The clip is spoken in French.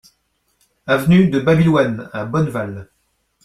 Avenue de Babyloine à Bonneval